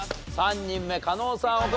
３人目加納さん